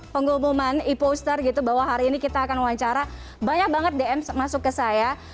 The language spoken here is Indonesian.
pengumuman e poster gitu bahwa hari ini kita akan wawancara banyak banget dm masuk ke saya